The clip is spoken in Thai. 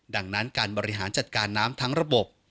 ดังนั้นการบริหารจัดการน้ำทั้งระบบ